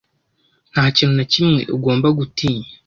Ntakintu nakimwe ugomba gutinya